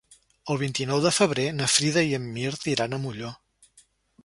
El vint-i-nou de febrer na Frida i en Mirt iran a Molló.